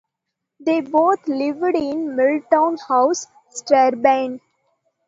They both lived in Milltown House, Strabane.